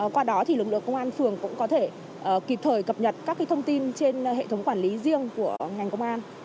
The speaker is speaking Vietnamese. qua đó thì lực lượng công an phường cũng có thể kịp thời cập nhật các thông tin trên hệ thống quản lý riêng của ngành công an